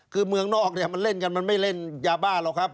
คือเมืองนอกเนี่ยมันเล่นกันมันไม่เล่นยาบ้าหรอกครับ